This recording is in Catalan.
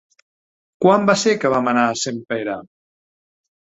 Quan va ser que vam anar a Sempere?